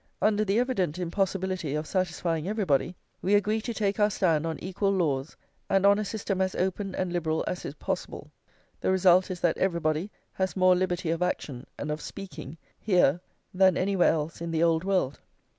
Under the evident impossibility of satisfying everybody, we agree to take our stand on equal laws and on a system as open and liberal as is possible. The result is that everybody has more liberty of action and of speaking here than anywhere else in the Old World."